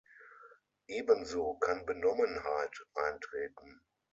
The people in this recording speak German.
Ebenso kann Benommenheit eintreten.